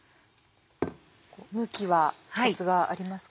向きはコツがありますか？